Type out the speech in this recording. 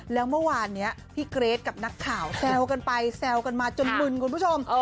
แล้วเมื่อวานนี้พี่เกรทกับนักข่าวแซวกันไปแซวกันมาจนมึนคุณผู้ชม